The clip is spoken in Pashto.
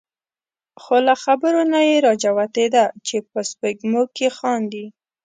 خو له خبرو نه یې را جوتېده چې په سپېږمو کې خاندي.